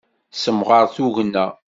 Semɣer tugna.